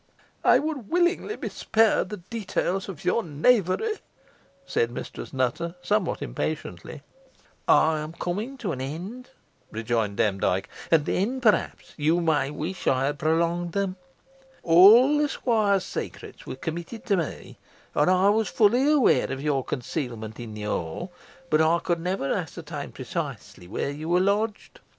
"I would willingly be spared the details of your knavery," said Mistress Nutter, somewhat impatiently. "I am coming to an end," rejoined Demdike, "and then, perhaps, you may wish I had prolonged them. All the squire's secrets were committed to me, and I was fully aware of your concealment in the hall, but I could never ascertain precisely where you were lodged.